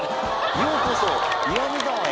ようこそ岩見沢へ」